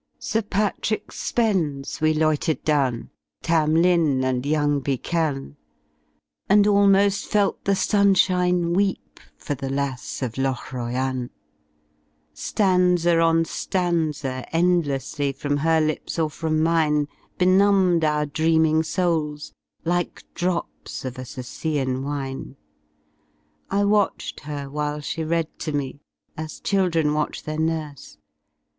^^Sir Patrick Spens^^ we loitered down, ''Tam Lin'' and 'Toung Beichan^' And almost felt the sunshine weep For the ^'Lass of Lochroyan."" Stanza on iianza endlessly From her lips or from mine Benumbed our dreaming souls , like drops Of a Circean wine. I watched her while she read to me, As children watch their nurse.